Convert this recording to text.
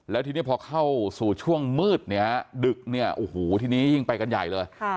แล้วทีนี้พอเข้าสู่ช่วงมืดเนี่ยดึกเนี่ยโอ้โหทีนี้ยิ่งไปกันใหญ่เลย